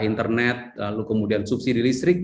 internet lalu kemudian subsidi listrik